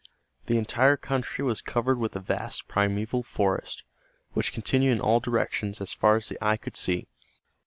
The entire country was covered with a vast primeval forest which continued in all directions as far as the eye could see.